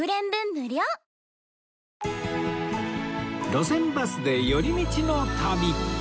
『路線バスで寄り道の旅』